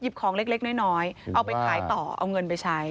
ของเล็กน้อยเอาไปขายต่อเอาเงินไปใช้